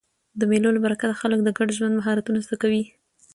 د مېلو له برکته خلک د ګډ ژوند مهارتونه زده کوي.